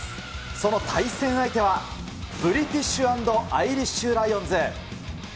その対戦相手は、ブリティッシュ＆アイリッシュ・ライオンズ。